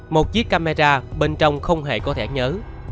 một chiếc camera bên trong không hề có thẻ nhớ